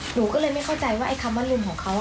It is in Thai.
หนูก็เลยไม่เข้าใจว่าไอ้คำว่ารุมของเขา